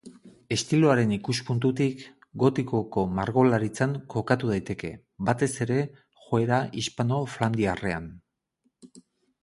Estiloaren ikuspuntutik, Gotikoko margolaritzan kokatu daiteke, batez ere joera hispano-flandiarrean.